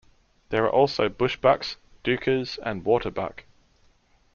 There are also bushbucks, duikers and waterbuck.